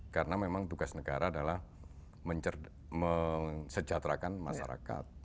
karena memang tugas negara adalah mensejahterakan masyarakat